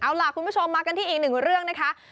เอาล่ะคุณผู้ชมมากันที่อีกหนึ่งเรื่องนะคะ